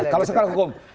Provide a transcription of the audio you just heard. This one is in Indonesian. kalau sekarang hukum